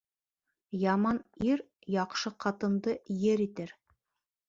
Яман ир яҡшы ҡатынды ер итер.